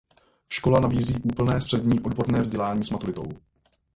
Škola nabízí úplné střední odborné vzdělání s maturitou.